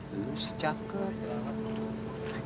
lu si cakep